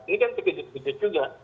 ini kan begitu begitu juga